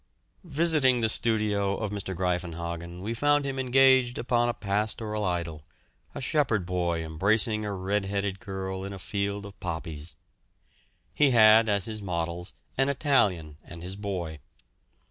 Visiting the studio of Mr. Greiffenhagen we found him engaged upon a pastoral idyll, a shepherd boy embracing a red headed girl in a field of poppies. He had as his models an Italian and his boy.